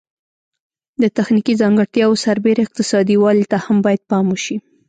د تخنیکي ځانګړتیاوو سربیره اقتصادي والی ته هم باید پام وشي.